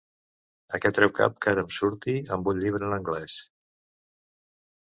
A què treu cap que ara em surti amb un llibre en anglès?